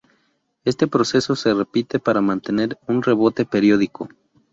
Este proceso se repite para mantener un rebote periódico.